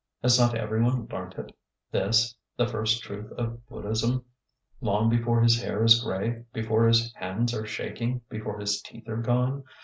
Has not everyone learnt it, this, the first truth of Buddhism, long before his hair is gray, before his hands are shaking, before his teeth are gone?